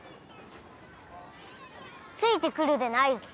ついてくるでないぞ。